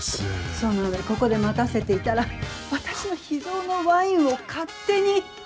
その上ここで待たせていたら私の秘蔵のワインを勝手に。